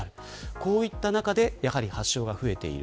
こういった中で発症が増えている。